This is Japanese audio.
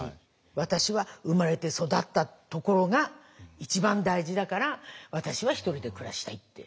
「私は生まれて育ったところが一番大事だから私は一人で暮らしたい」って。